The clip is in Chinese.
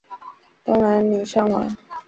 东南邻山王。